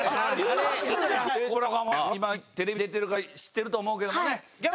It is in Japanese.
チョコプラとかテレビ出てるから知ってると思うけどもね。